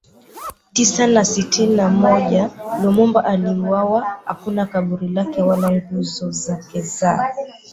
Tisa na sitini na moja Lumumba aliuwawa Hakuna kaburi lake wala nguzo zake za